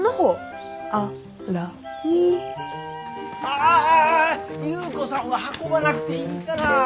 ああああ優子さんは運ばなくていいから。